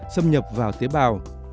xâm nhập vào tế bào